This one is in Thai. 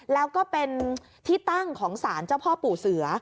แล้วก็เป็นที่ตั้งของสารเจ้าพ่อปู่เสือ